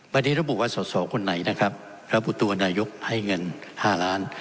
วันนี้ระบุว่าสอสอคนไหนนะครับระบุตัวนายกให้เงิน๕ล้าน